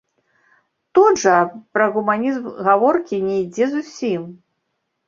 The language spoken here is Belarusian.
Тут жа пра гуманізм гаворкі не ідзе зусім.